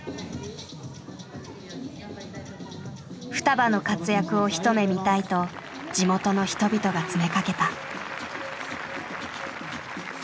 ふたばの活躍を一目見たいと地元の人々が詰めかけた。